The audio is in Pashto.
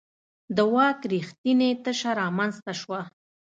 د واک رښتینې تشه رامنځته شوه.